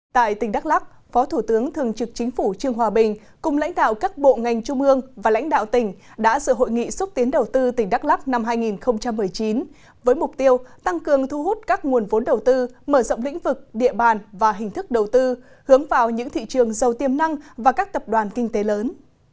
tại tỉnh đắk lắc phó thủ tướng thường trực chính phủ trương hòa bình cùng lãnh đạo các bộ ngành trung ương và lãnh đạo tỉnh đã dự hội nghị xúc tiến đầu tư tỉnh đắk lắk năm hai nghìn một mươi chín với mục tiêu tăng cường thu hút các nguồn vốn đầu tư mở rộng lĩnh vực địa bàn và hình thức đầu tư hướng vào những thị trường giàu tiềm năng và các tập đoàn kinh tế lớn